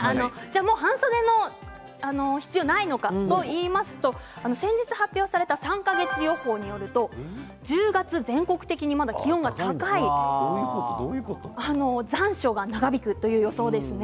もう半袖の必要がないのかといいますと先日、発表された３か月予想によると１０月全国的に、まだ気温が高い残暑が長引くという予想です。